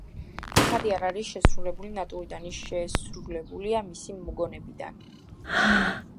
ნახატი არ არის შესრულებული ნატურიდან, ის შესრულებულია მისი მოგონებიდან.